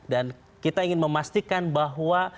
dan kita ingin memastikan bahwa